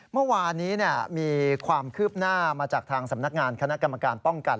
เมื่อวานนี้มีความคืบหน้ามาจากทางสำนักงานคณะกรรมการป้องกัน